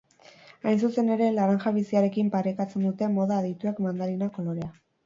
Hain zuzen ere, laranja biziarekin parekatzen dute moda adituek mandarina kolorea.